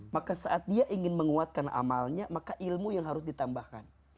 maka saat dia ingin menguatkan amalnya maka ilmu yang harus ditambahkan